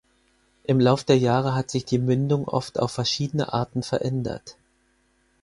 Im Lauf der Jahre hat sich die Mündung oft auf verschiedene Arten verändert.